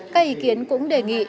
các ý kiến cũng đề nghị